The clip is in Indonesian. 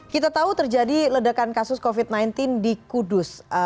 kita tahu terjadi ledakan kasus covid sembilan belas di kudus